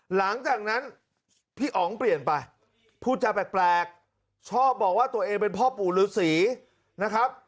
หลังจากนั้นพี่อ๋องเปลี่ยนไปพูดจาแปลกชอบบอกว่าตัวเองเป็นพ่อปู่ฤษีนะครับ